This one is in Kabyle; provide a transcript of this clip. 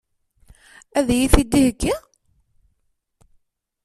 Ad iyi-t-id-iheggi?